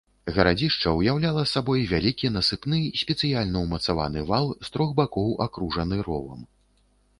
Гарадзішча ўяўляла сабой вялікі насыпны, спецыяльна ўмацаваны вал, з трох бакоў акружаны ровам.